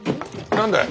何だい？